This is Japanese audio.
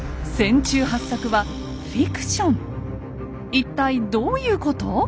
一体どういうこと？